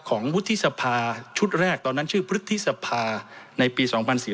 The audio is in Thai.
ของพฤทธิสภาชุดแรกตอนนั้นชื่อพฤทธิสภาในปี๒๔๘๙